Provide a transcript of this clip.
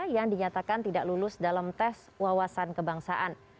yang dinyatakan tidak lulus dalam tes wawasan kebangsaan